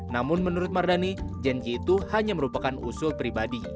namun menurut mardani janji itu hanya merupakan usul pribadi